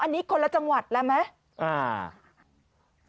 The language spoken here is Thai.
อันนี้คนละจังหวัดแล้วไหม